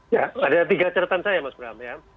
ya ada tiga catatan saya mas bram ya